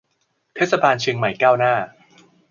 เทศบาลเชียงใหม่ก้าวหน้า